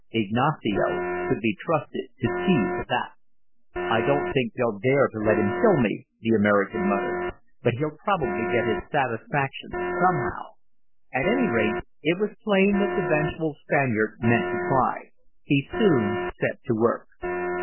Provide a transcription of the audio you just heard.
Ignacio could be trusted to see to that. "I don't think they'll dare to let him kill me," the American muttered. "But he'll probably get his satisfaction somehow." At any rate, it was plain that the vengeful Spaniard meant to try. He soon set to work.